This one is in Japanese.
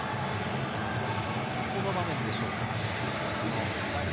この場面でしょうか。